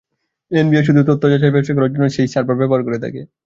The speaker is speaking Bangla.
এনবিআর শুধু তথ্য যাচাই-বাছাই করার জন্য সেই সার্ভার ব্যবহার করে থাকে।